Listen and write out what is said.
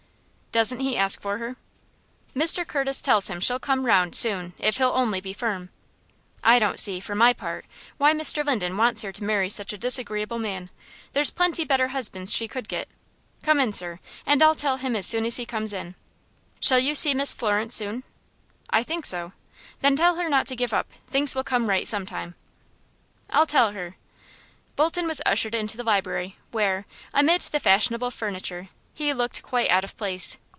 "Doesn't he ask for her?" "Mr. Curtis tells him she'll come round soon if he'll only be firm. I don't see, for my part, why Mr. Linden wants her to marry such a disagreeable man. There's plenty better husbands she could get. Come in, sir, and I'll tell him as soon as he comes in. Shall you see Miss Florence soon?" "I think so." "Then tell her not to give up. Things will come right some time." "I'll tell her." Bolton was ushered into the library, where, amid the fashionable furniture he looked quite out of place.